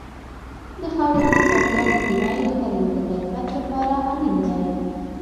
د خاورې د ککړتیا مخنیوی د کرنې د کیفیت لپاره اړین دی.